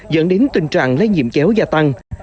dẫn đến tình trạng lây nhiễm chéo gia tăng